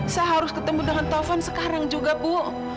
saya harus ketemu dengan telepon sekarang juga bu